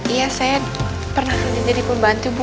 iya saya pernah kan jadi pembantu bu